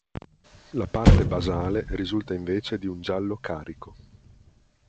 La parte basale risulta invece di un giallo carico.